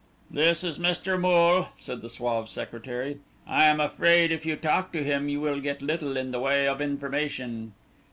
"This is Mr. Moole," said the suave secretary. "I am afraid if you talk to him you will get little in the way of information."